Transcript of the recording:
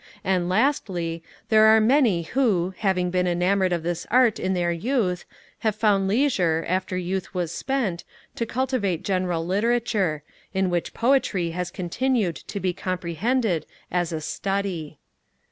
And, lastly, there are many, who, having been enamoured of this art in their youth, have found leisure, after youth was spent, to cultivate general literature; in which poetry has continued to be comprehended as a study.